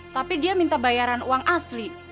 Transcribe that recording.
tapi dia minta bayaran uang asli